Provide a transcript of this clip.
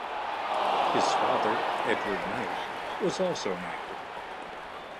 His father, Edward Knight, was also an actor.